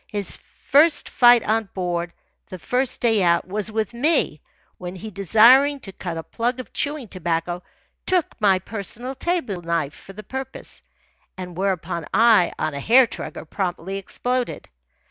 His first fight on board, the first day out, was with me, when he, desiring to cut a plug of chewing tobacco, took my personal table knife for the purpose, and whereupon, I, on a hair trigger, promptly exploded.